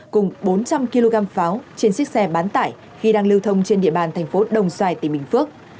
cùng bốn trăm linh kg pháo trên xích xe bán tải khi đang lưu thông trên địa bàn thành phố đồng xoài tỉnh bình phước